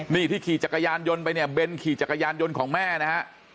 นี่ที่ขี่จักรยานยนต์ไปเนี่ยเบนขี่จักรยานยนต์ของแม่นะฮะ